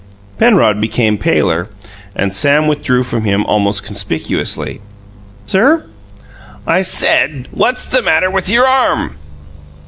Penrod became paler, and Sam withdrew from him almost conspicuously. "Sir?" "I said, What's the matter with your arm?"